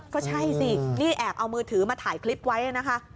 ก็ใช่สินี่แอบเอามือถือมาถ่ายคลิปไว้นะคะ